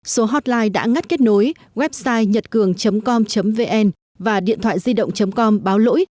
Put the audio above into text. số hotline đã ngắt kết nối website nhậtcường com vn và điện thoại di động com báo lỗi